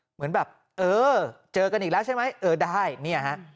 เหมือนแบบเออเจอกันอีกแล้วใช่ไหมเออได้เนี่ยฮะ